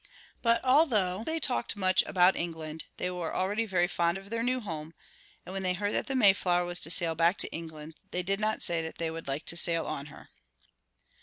But although they talked much about England, they were already very fond of their new home, and when they heard that the Mayflower was to sail back to England they did not say that they would like to sail on her.